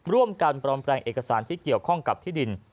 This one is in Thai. ร่วมกันปลอมแปลงเอกสารที่เกี่ยวข้องกับที่ดิน